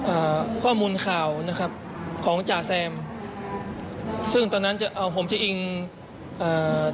อ่าข้อมูลข่าวนะครับของจ่าแซมซึ่งตอนนั้นจะเอาผมจะอิงเอ่อ